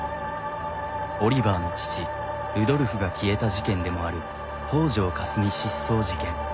オリバーの父ルドルフが消えた事件でもある「北條かすみ失踪事件」。